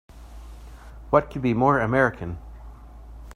What could be more American!